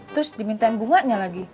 terus diminta bunganya